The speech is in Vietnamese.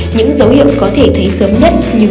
những dấu hiệu có thể thấy sớm nhất như phát triển